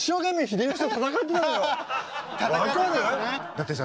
だってさ